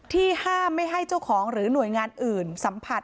ห้ามไม่ให้เจ้าของหรือหน่วยงานอื่นสัมผัส